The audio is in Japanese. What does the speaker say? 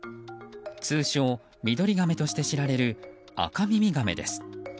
通称ミドリガメとして知られるアカミミガメです。